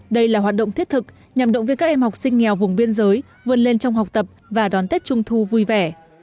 đây là hoạt động thiết thực nhằm động viên các em học sinh nghèo vùng biên giới vươn lên trong học tập và đón tết trung thu vui vẻ